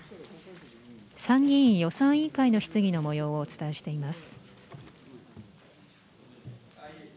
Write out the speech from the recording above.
参議院予算委員会の質疑のもようをお伝えしています。